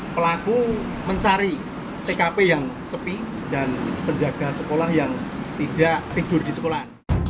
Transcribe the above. pelaku mencari tkp yang sepi dan penjaga sekolah yang tidak tidur di sekolah